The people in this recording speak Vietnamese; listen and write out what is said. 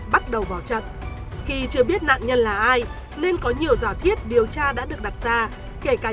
bắt đầu bỏ trận khi chưa biết nạn nhân là ai nên có nhiều giả thiết điều tra đã được đặt ra kể cả